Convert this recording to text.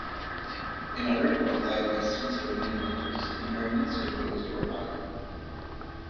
In order to apply Western surveying methods, American surveyors were hired.